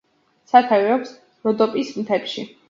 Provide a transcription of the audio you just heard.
სათავე აქვს როდოპის მთებში.